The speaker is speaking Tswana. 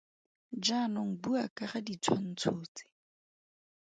Jaanong bua ka ga ditshwantsho tse.